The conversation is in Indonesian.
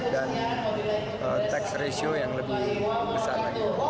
dan tax ratio yang lebih besar